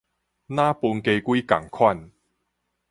若歕雞胿仝款